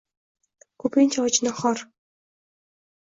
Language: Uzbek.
Ko`pincha och-nahor